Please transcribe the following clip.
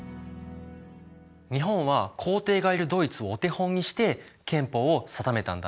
日本は皇帝がいるドイツをお手本にして憲法を定めたんだね。